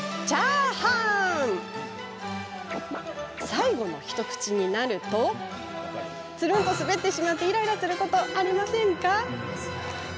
最後の一口になるとつるんと滑ってしまいイライラすること、ありますよね。